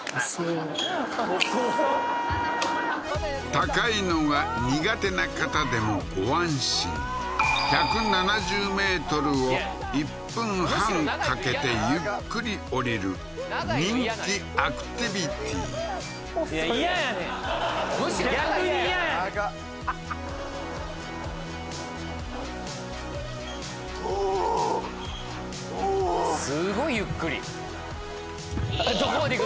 高いのが苦手な方でもご安心１７０ｍを１分半かけてゆっくり降りる人気アクティビティー長っすごいゆっくりどこまで行く？